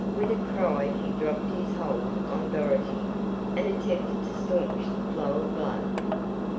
With a cry he dropped his hold on Dorothy, and attempted to staunch the flow of blood.